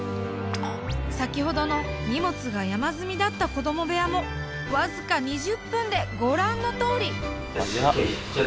先ほどの荷物が山積みだった子ども部屋も僅か２０分でご覧のとおり！